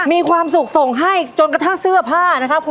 มีความสุขส่งให้จนกระทั่งเสื้อผ้านะครับ